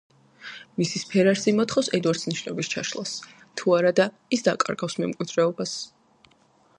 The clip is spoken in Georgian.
მისის ფერარსი მოსთხოვს ედვარდს ნიშნობის ჩაშლას, თუ არადა ის დაკარგავს მემკვიდრეობას.